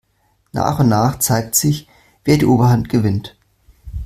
Nach und nach zeigt sich, wer die Oberhand gewinnt.